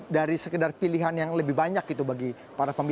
dari sekedar pilihan yang lebih banyak gitu bagi para pemimpin